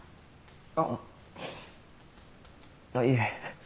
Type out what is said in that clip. あぁいえ。